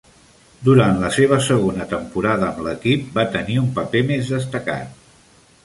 Durant la seva segona temporada amb l'equip, va tenir un paper més destacat.